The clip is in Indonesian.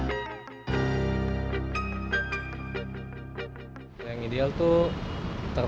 pembelajaran di jalan jalan menengah